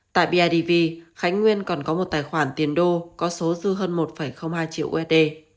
tại bidv khánh nguyên còn có một tài khoản tiền đô có số dư hơn một hai triệu usd